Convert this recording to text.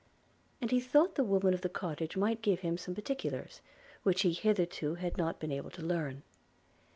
And he thought the woman of the cottage might give him some particulars, which he hitherto had not been able to learn.